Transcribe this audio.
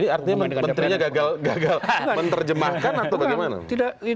ini artinya menterinya gagal gagal menerjemahkan atau bagaimana